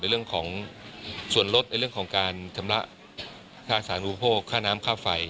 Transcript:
เรื่องของส่วนลดในเรื่องของการชำระค่าสาธุโภคค่าน้ำค่าไฟ